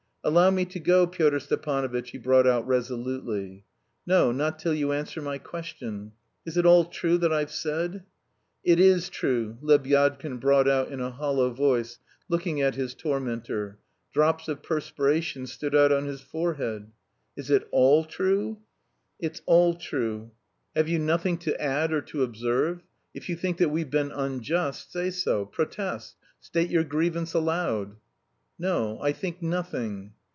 "Allow me to go, Pyotr Stepanovitch," he brought out resolutely. "No, not till you answer my question: is it all true that I've said?" "It is true," Lebyadkin brought out in a hollow voice, looking at his tormentor. Drops of perspiration stood out on his forehead. "Is it all true?" "It's all true." "Have you nothing to add or to observe? If you think that we've been unjust, say so; protest, state your grievance aloud." "No, I think nothing."